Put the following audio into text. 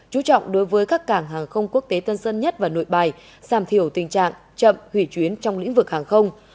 chú trọng đối với các cảng hàng không quốc tế tân sân nhất và nội bài giảm thiểu tình trạng chậm hủy chuyến trong lĩnh vực hàng không